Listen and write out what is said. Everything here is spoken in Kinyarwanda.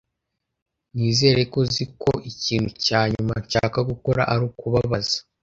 Nizere ko uzi ko ikintu cya nyuma nshaka gukora ari ukubabaza.